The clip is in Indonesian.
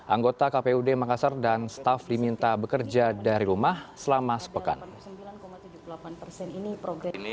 anggota kpud makassar dan staff diminta bekerja dari rumah selama sepekan